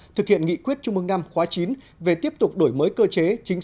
thực hiện nghị quyết trung mương đảng khóa chín về tiếp tục đổi mới cơ chế